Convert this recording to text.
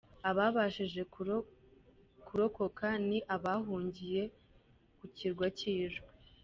Ababashije kurokoka ni abahungiye ku kirwa cy’Ijwi.